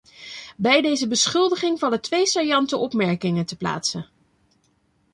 Bij deze beschuldiging vallen twee saillante opmerkingen te plaatsen.